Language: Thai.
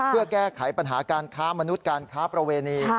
เพื่อแก้ไขปัญหาการค้ามนุษย์การค้าประเวณี